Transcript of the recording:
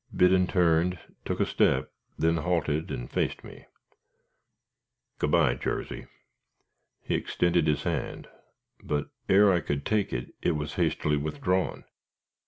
Biddon turned, took a step, then halted and faced me. "Good by, Jarsey." He extended his hand, but ere I could take it it was hastily withdrawn.